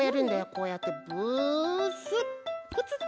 こうやってブスップツッ！